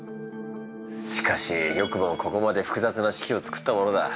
しかしよくもここまでふくざつな式を作ったものだ。